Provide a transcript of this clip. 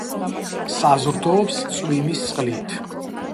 საზრდოობს წვიმის წყლით.